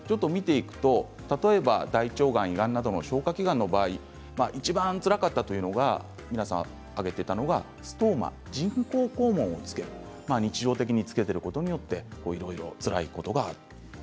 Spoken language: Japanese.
例えば大腸がん、胃がんなどの消化器がんの場合いちばんつらかったというのが皆さん挙げていたのがストーマ人工肛門をつける日常的につけていることによっていろいろつらいことがある。